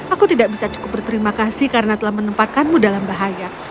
aku tidak bisa cukup berterima kasih karena telah menempatkanmu dalam bahaya